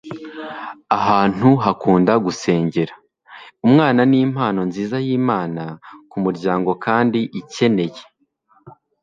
ahantu hakunda gusengera. umwana nimpano nziza yimana kumuryango kandi ikeneye